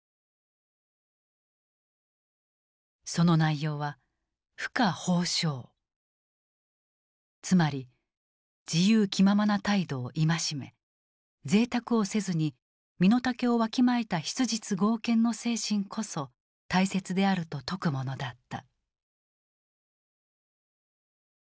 その内容は「浮華放縦」つまり自由気ままな態度を戒めぜいたくをせずに身の丈をわきまえた「質実剛健」の精神こそ大切であると説くものだった。